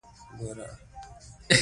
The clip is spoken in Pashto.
ژبه مو تل ودان او ولس مو سوکاله وي.